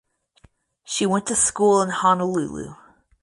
She went to school in Honolulu.